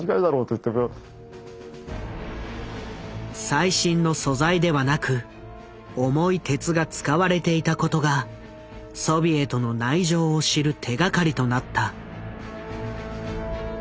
最新の素材ではなく重い鉄が使われていたことがソビエトの内情を知る手がかりとなった。